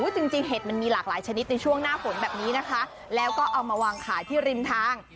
จริงเห็ดมันมีหลากหลายชนิดในช่วงหน้าฝนแบบนี้นะคะแล้วก็เอามาวางขายที่ริมทาง